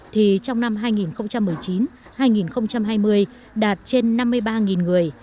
thì trong năm hai nghìn một mươi chín hai nghìn hai mươi đạt trên năm mươi ba người